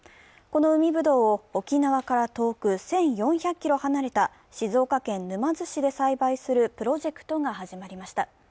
この海ぶどうを沖縄から遠く１４００ｋｍ離れた静岡県沼津市で栽培するプロジェクトが始まりました。